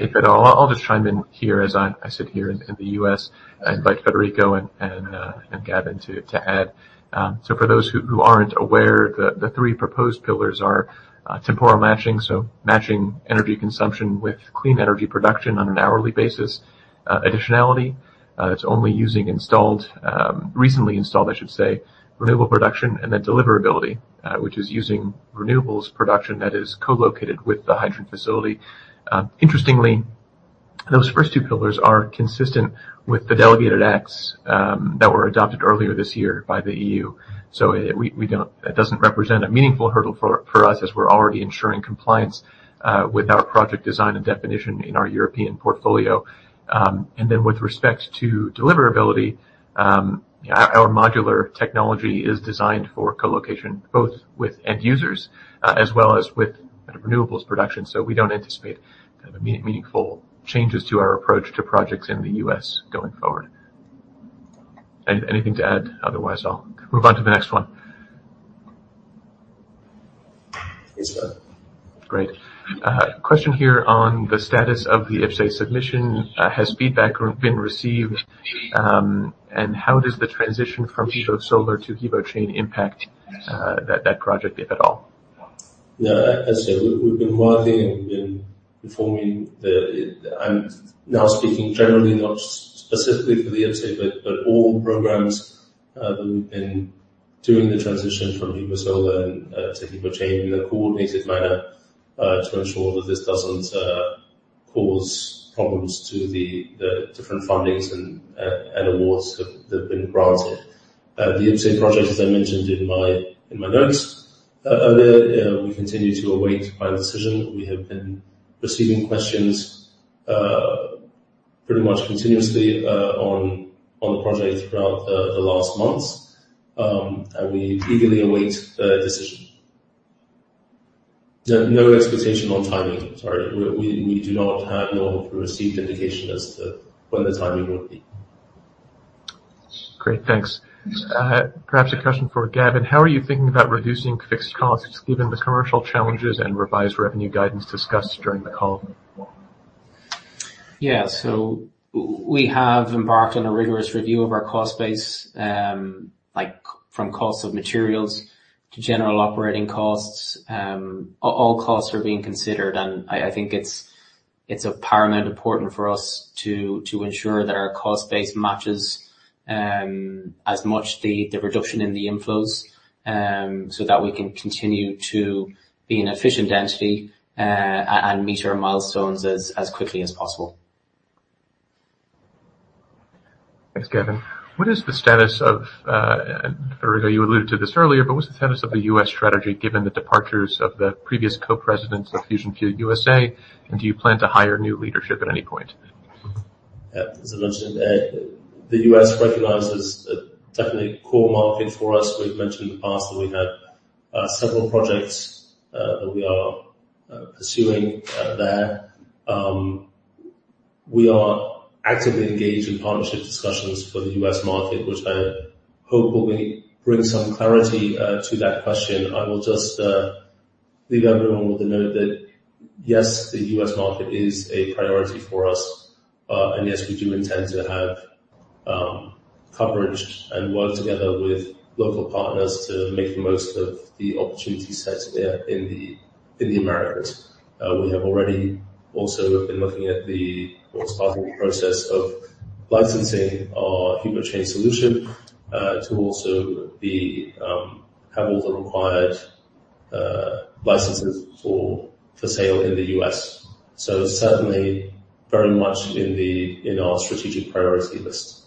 if at all. I'll just chime in here as I sit here in the U.S., invite Frederico and Gavin to add. So for those who aren't aware, the three proposed pillars are temporal matching, so matching energy consumption with clean energy production on an hourly basis, additionality, it's only using installed, recently installed, I should say, renewable production, and then deliverability, which is using renewables production that is co-located with the hydrogen facility. Interestingly, those first two pillars are consistent with the Delegated Acts that were adopted earlier this year by the E.U. So it doesn't represent a meaningful hurdle for us, as we're already ensuring compliance with our project design and definition in our European portfolio. And then with respect to deliverability, our modular technology is designed for co-location, both with end users as well as with renewables production. So we don't anticipate meaningful changes to our approach to projects in the U.S. going forward. Anything to add? Otherwise, I'll move on to the next one. Yes, go on. Great. Question here on the status of the uncertain submission. Has feedback been received? And how does the transition from HEVO-Solar to HEVO-Chain impact that project, if at all? Yeah, as I say, we've been working and we've been informing the... I'm now speaking generally, not specifically for the FCA, but all programs that we've been doing the transition from HEVO-Solar and to HEVO-Chain in a coordinated manner to ensure that this doesn't cause problems to the different fundings and awards that have been granted. The FCA project, as I mentioned in my notes earlier, we continue to await a final decision. We have been receiving questions pretty much continuously on the project throughout the last months. And we eagerly await the decision. There's no expectation on timing, sorry. We do not have nor received indication as to when the timing will be. Great, thanks. Perhaps a question for Gavin. How are you thinking about reducing fixed costs given the commercial challenges and revised revenue guidance discussed during the call? Yeah. So we have embarked on a rigorous review of our cost base, like from cost of materials to general operating costs. All costs are being considered, and I think it's of paramount important for us to ensure that our cost base matches as much the reduction in the inflows, so that we can continue to be an efficient entity, and meet our milestones as quickly as possible. Thanks, Gavin. What is the status of, Frederico, you alluded to this earlier, but what's the status of the U.S. strategy, given the departures of the previous co-presidents of Fusion Fuel USA, and do you plan to hire new leadership at any point? Yeah, as I mentioned, the U.S. recognizes a definitely core market for us. We've mentioned in the past that we have several projects that we are pursuing there. We are actively engaged in partnership discussions for the U.S. market, which I hope will bring some clarity to that question. I will just leave everyone with the note that, yes, the U.S. market is a priority for us, and yes, we do intend to have coverage and work together with local partners to make the most of the opportunity set there in the Americas. We have already also been looking at or starting the process of licensing our HEVO-Chain solution to also be have all the required licenses for sale in the U.S. Certainly very much in our strategic priority list.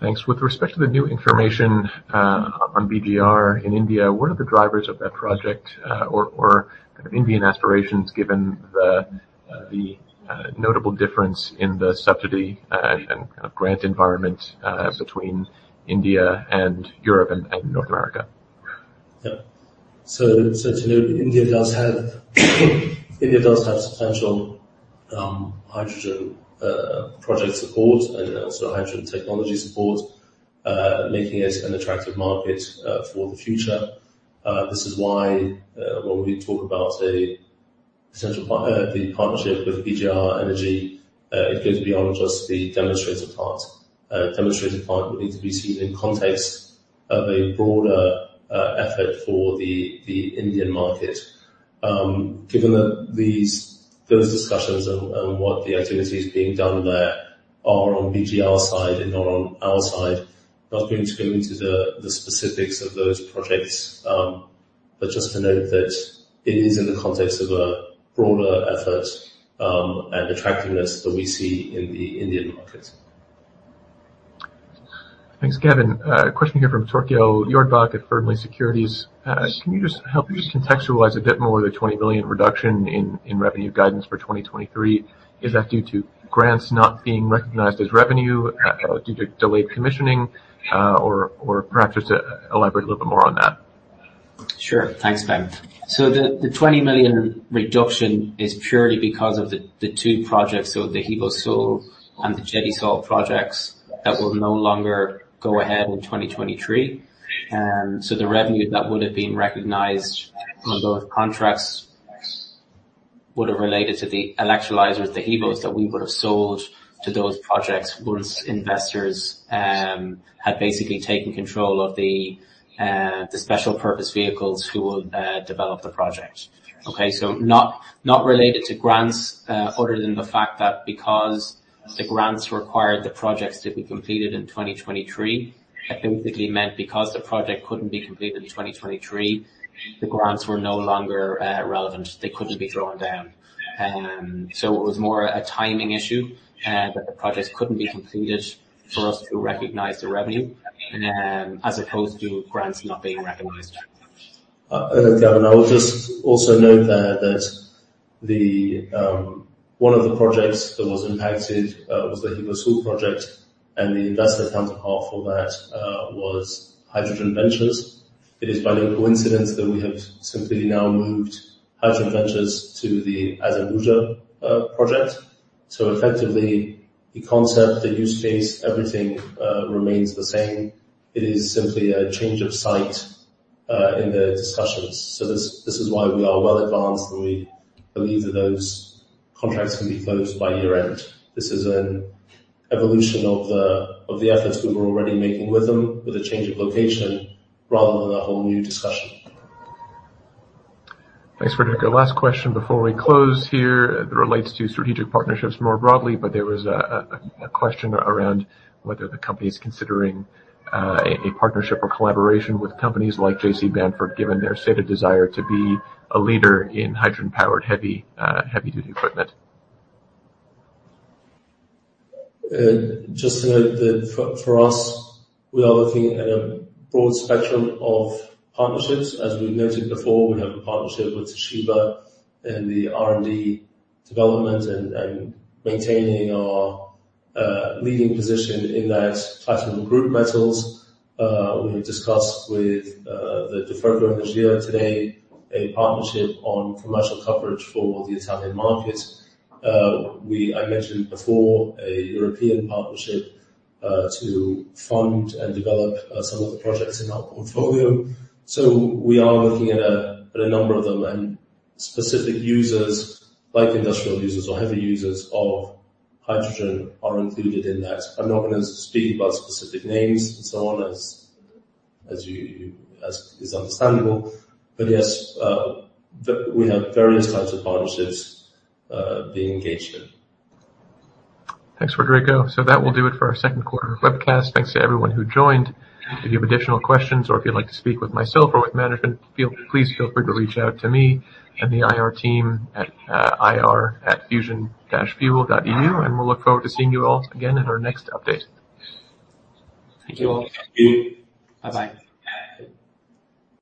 Thanks. With respect to the new information on BGR in India, what are the drivers of that project, or kind of Indian aspirations, given the notable difference in the subsidy and kind of grant environment between India and Europe and North America? Yeah. So, to note, India does have, India does have substantial, hydrogen, project support and also hydrogen technology support, making it an attractive market, for the future. This is why, when we talk about an essential part, the partnership with BGR Energy, it goes beyond just the demonstrator part. Demonstrator part would need to be seen in context of a broader, effort for the, the Indian market. Given that these, those discussions and, and what the activities being done there are on BGR side and not on our side, not going to go into the, the specifics of those projects. But just to note that it is in the context of a broader effort, and attractiveness that we see in the Indian market. Thanks, Gavin. A question here from Tokyo, uncertain. Can you just help me just contextualize a bit more the 20 million reduction in revenue guidance for 2023? Is that due to grants not being recognized as revenue, due to delayed commissioning, or perhaps just elaborate a little bit more on that. Sure. Thanks, Ben. So the twenty million reduction is purely because of the two projects, so the HEVO-Solar and the Gedisol projects, that will no longer go ahead in 2023. So the revenue that would have been recognized on both contracts would have related to the electrolyzers, the HEVOs that we would have sold to those projects once investors had basically taken control of the special purpose vehicles who will develop the project. Okay, so not related to grants, other than the fact that because the grants required the projects to be completed in 2023, it basically meant because the project couldn't be completed in 2023, the grants were no longer relevant. They couldn't be drawn down. So it was more a timing issue that the projects couldn't be completed for us to recognize the revenue, as opposed to grants not being recognized. And, Gavin, I would just also note there that the one of the projects that was impacted was the HEVO-Solar project, and the investor counterparty for that was Hydrogen Ventures. It is by no coincidence that we have simply now moved Hydrogen Ventures to the Azambuja project. So effectively, the concept, the use case, everything remains the same. It is simply a change of site in the discussions. So this, this is why we are well advanced, and we believe that those contracts can be closed by year-end. This is an evolution of the efforts we were already making with them, with a change of location rather than a whole new discussion. Thanks, Frederico. Last question before we close here, relates to strategic partnerships more broadly, but there was a question around whether the company is considering a partnership or collaboration with companies like J.C. Bamford, given their stated desire to be a leader in hydrogen-powered heavy-duty equipment. Just to note that for us, we are looking at a broad spectrum of partnerships. As we noted before, we have a partnership with Toshiba in the R&D development and maintaining our leading position in that platinum group metals. We discussed with the Duferco Energia today, a partnership on commercial coverage for the Italian market. I mentioned before, a European partnership to fund and develop some of the projects in our portfolio. So we are looking at a number of them, and specific users, like industrial users or heavy users of hydrogen, are included in that. I'm not going to speak about specific names and so on, as is understandable. But yes, we have various types of partnerships being engaged in. Thanks, Frederico. That will do it for our second quarter webcast. Thanks to everyone who joined. If you have additional questions or if you'd like to speak with myself or with management, please feel free to reach out to me and the IR team at ir@fusion-fuel.eu, and we'll look forward to seeing you all again in our next update. Thank you all. Thank you. Bye-bye.